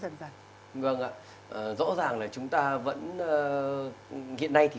vâng ạ rõ ràng là chúng ta vẫn hiện nay thì